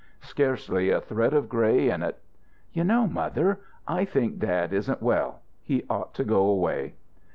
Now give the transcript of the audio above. Scarcely a thread of grey in it. "You know, mother, I think dad isn't well. He ought to go away."